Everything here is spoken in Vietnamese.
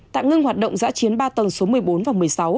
tạm ngưng hoạt động giã chiến ba tầng số một mươi bốn và một mươi sáu